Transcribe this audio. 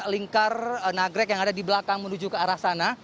lingkar nagrek yang ada di belakang menuju ke arah sana